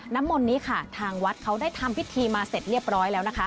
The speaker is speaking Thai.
น้ำมนต์นี้ค่ะทางวัดเขาได้ทำพิธีมาเสร็จเรียบร้อยแล้วนะคะ